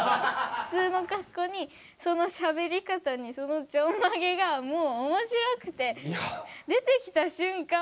普通の格好にそのしゃべり方にそのちょんまげがもうおもしろくて出てきた瞬間